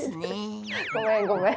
ごめんごめん。